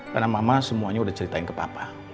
karena mama semuanya udah ceritain ke papa